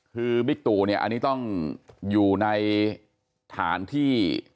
คือบิ๊กตู่เนี่ยอันนี้ต้องอยู่ในฐานที่